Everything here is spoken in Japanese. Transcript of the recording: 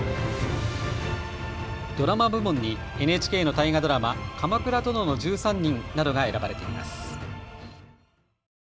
ドラマ部門にＮＨＫの大河ドラマ鎌倉殿の１３人などが選ばれています。